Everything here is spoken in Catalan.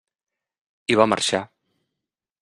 I va marxar.